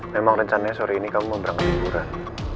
memang rencananya sore ini kamu mau berangkat liburan